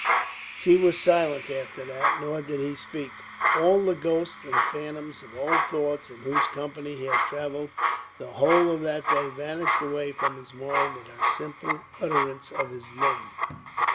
She was silent after that; nor did he speak. All the ghosts and phantoms of old thoughts in whose company he had travelled the whole of that day vanished away from his mind at her simple utterance of his name.